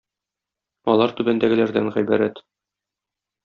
Алар түбәндәгеләрдән гыйбарәт